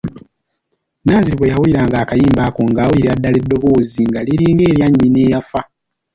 Nanziri bwe yawuliranga akayimba ako ng'awulirira ddala eddoboozi nga liringa erya nnyina eyafa.